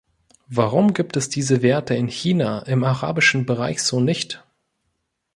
Warum gibt es diese Werte in China, im arabischen Bereich so nicht?